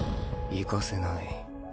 行かせない。